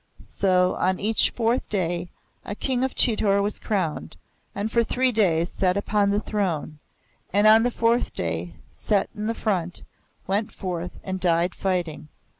So on each fourth day a King of Chitor was crowned, and for three days sat upon the throne, and on the fourth day, set in the front, went forth and died fighting.